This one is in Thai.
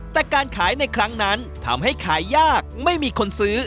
แต่การขายในครั้งนั้นทำให้ขายยากไม่มีคนซื้อ